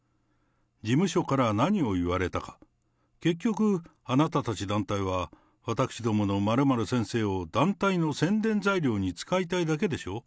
事務所から何を言われたか、結局、あなたたち団体は、私どもの○○先生を団体の宣伝材料に使いたいだけでしょ。